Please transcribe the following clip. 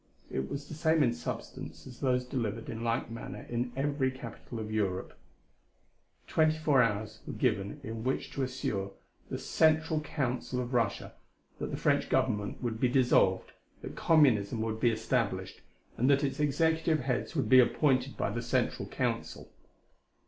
It was the same in substance as those delivered in like manner in every capital of Europe: twenty four hours were given in which to assure the Central Council of Russia that the French Government would be dissolved, that communism would be established, and that its executive heads would be appointed by the Central Council.